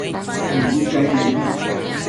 mibi cainenbi